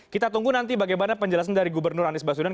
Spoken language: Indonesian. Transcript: kita tunggu nanti bagaimana penjelasan dari gubernur anies baswedan